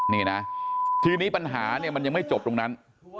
นี่นะทีนี้ปัญหาเนี่ยมันยังไม่จบตรงนั้น